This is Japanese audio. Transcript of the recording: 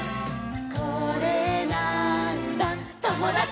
「これなーんだ『ともだち！』」